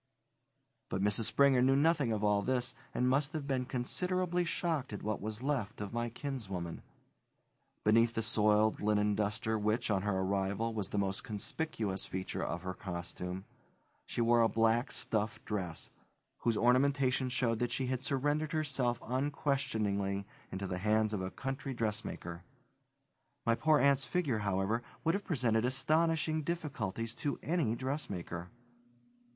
But Mrs. Springer knew nothing of all this, and must have been considerably shocked at what was left of my kinswoman. Beneath the soiled linen duster which, on her arrival, was the most conspicuous feature of her costume, she wore a black stuff dress, whose ornamentation showed that she had surrendered herself unquestioningly into the hands of a country dressmaker. My poor aunt's figure, however, would have presented astonishing difficulties to any dressmaker.